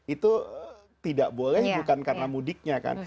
itu tidak boleh bukan karena mudiknya kan